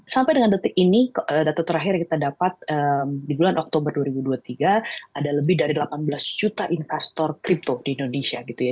sampai dengan detik ini data terakhir yang kita dapat di bulan oktober dua ribu dua puluh tiga ada lebih dari delapan belas juta investor crypto di indonesia